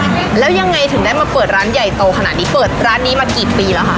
แล้วยังไงถึงได้มาเปิดร้านใหญ่โตขนาดนี้เปิดร้านนี้มากี่ปีแล้วคะ